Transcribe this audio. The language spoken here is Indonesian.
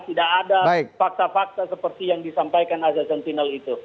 tidak ada fakta fakta seperti yang disampaikan azaz sentinel itu